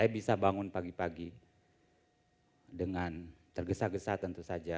saya bisa bangun pagi pagi dengan tergesa gesa tentu saja